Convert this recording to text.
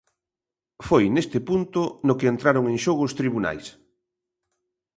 Foi neste punto no que entraron en xogo os tribunais.